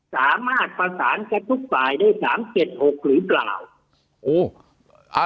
สามารถผสานแค่ทุกฝ่ายได้๓๗๖หรือเปล่า